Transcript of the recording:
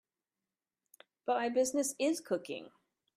But my business is cooking.